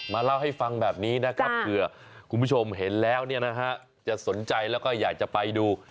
มาเล่าให้ฟังแบบนี้นะครับคุณผู้ชมเห็นแล้วจะสนใจแล้วก็อยากจะไปดู